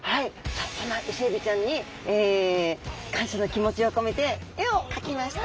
さあそんなイセエビちゃんに感謝の気持ちを込めて絵を描きました。